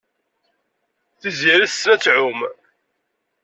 Tiziri tessen ad tɛum.